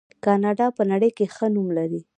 کاناډا په نړۍ کې ښه نوم لري.